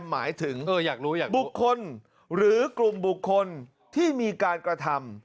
หมายถึงบุคคลหรือกลุ่มบุคคลที่มีการกระทำ